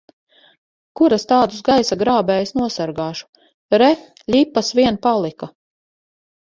Kur es tādus gaisa grābējus nosargāšu! Re, ļipas vien palika!